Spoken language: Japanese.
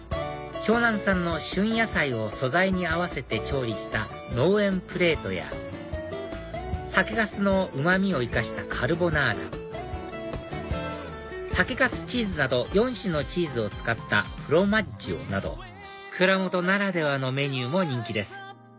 湘南産の旬野菜を素材に合わせて調理した農園プレートや酒かすのうまみを生かしたカルボナーラ酒かすチーズなど４種のチーズを使ったフロマッジオなど蔵元ならではのメニューも人気です